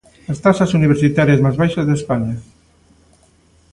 As taxas universitarias máis baixas de España.